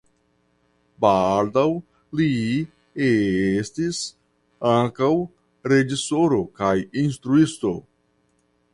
Baldaŭ li estis ankaŭ reĝisoro kaj instruisto.